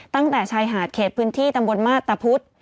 ตั้งแต่ชายหาดเขตพื้นที่ตำบลมาตะพุทธ